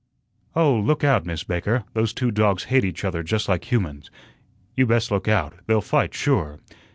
"Oh, look out, Miss Baker. Those two dogs hate each other just like humans. You best look out. They'll fight sure."